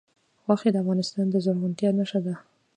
غوښې د افغانستان د زرغونتیا نښه ده.